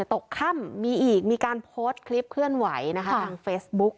ตกค่ำมีอีกมีการโพสต์คลิปเคลื่อนไหวนะคะทางเฟซบุ๊ก